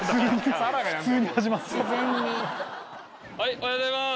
おはようございます！